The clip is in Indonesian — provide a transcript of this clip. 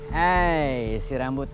hai hai si rambut